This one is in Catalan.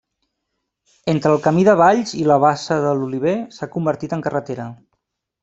Entre el camí de Valls i la bassa de l'Oliver s'ha convertit en carretera.